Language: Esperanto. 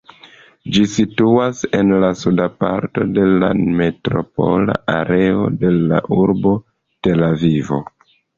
Ĝi situas en la suda parto de la metropola areo de la urbo Tel-Avivo.